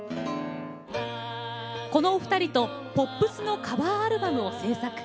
このお二人とポップスのカバーアルバムを制作。